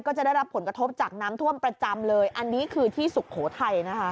จะได้รับผลกระทบจากน้ำท่วมประจำเลยอันนี้คือที่สุโขทัยนะคะ